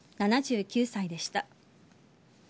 ７９歳でした。